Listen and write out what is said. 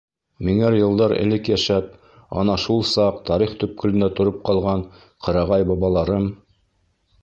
Меңәр йылдар элек йәшәп, ана шул сал тарих төпкөлөндә тороп ҡалған ҡырағай бабаларым...